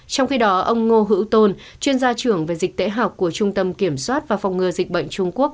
trong khi đó ông ngô hữu tôn chuyên gia trưởng về dịch tễ học của trung tâm kiểm soát và phòng ngừa dịch bệnh trung quốc